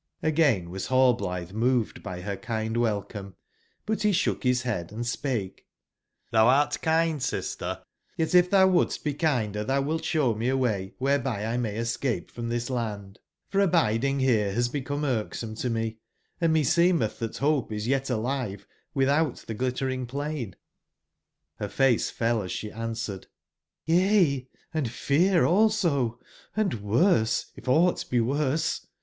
"j!?H gain was Rallblitbe moved by her kind welcome; but be shook bis head and spake: ''TTbou art kind, sister ;yetif tbou wouldst be kinder thou wilt showme a way wherebylmay escape from this land, for abiding here has become irksome to me, and meseemeth that hope is yet alive without tbe Glittering plain." Rer face fell as she answered: b3 101 " Y^^' ^"^^^^^^^^^*^"^ worse, if auabt be worse.